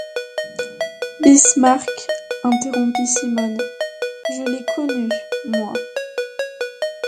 Bismarck, interrompit Simonne, je l'ai connu, moi.